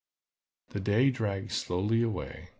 The day dragged slowly away.